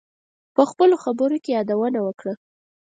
په خپلو خبرو کې یادونه وکړه.